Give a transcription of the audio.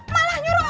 malah nyuruh orang